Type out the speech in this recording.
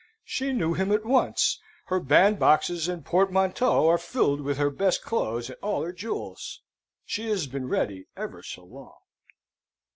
She knew him at once. Her bandboxes and portmanteaux are filled with her best clothes and all her jewels. She has been ready ever so long.